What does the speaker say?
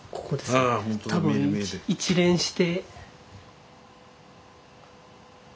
多分一連して。